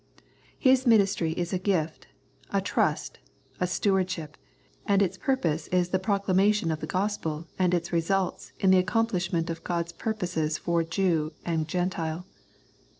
His ministry is a gift, a trust, a stewardship, and its purpose is the proclamation of the Gospel and its results in the accomplishment of God's pur poses for Jew and Gentile.